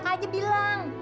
jadikan enak aja bilang